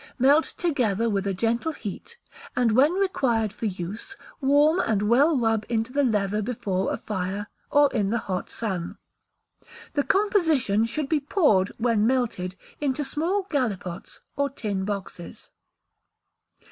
Melt together with a gentle heat, and when required for use, warm and well rub into the leather before a fire, or in the hot sun. The composition should be poured, when melted, into small gallipots, or tin boxes.